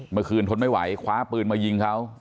เมื่อคืนทนไม่ไหวคว้าปืนมายิงเขา